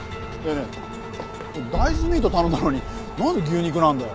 ねえ大豆ミートを頼んだのになんで牛肉なんだよ。